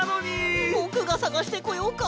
ぼくがさがしてこようか！？